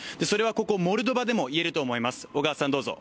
それはここモルドバでもいえると思います。